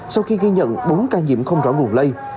sau khi ghi nhận bốn ca nhiễm không rõ nguồn lây